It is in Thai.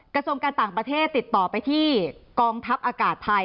กระทรวงการต่างประเทศติดต่อไปที่กองทัพอากาศไทย